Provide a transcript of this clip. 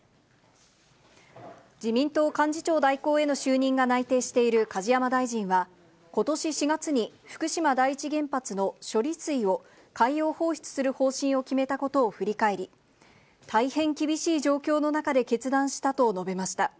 自民党幹事長代行への就任が内定している梶山大臣は、ことし４月に、福島第一原発の処理水を海洋放出する方針を決めたことを振り返り、大変厳しい状況の中で決断したと述べました。